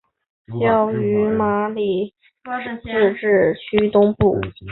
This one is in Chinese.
教区位于马德里自治区东部。